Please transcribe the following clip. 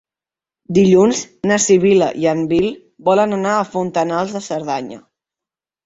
Dilluns na Sibil·la i en Nil volen anar a Fontanals de Cerdanya.